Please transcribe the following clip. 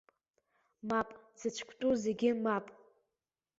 Мап зыцәктәу зегьы мап.